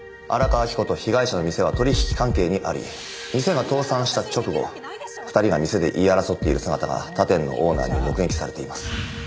荒川着子と被害者の店は取引関係にあり店が倒産した直後２人が店で言い争っている姿が他店のオーナーに目撃されています。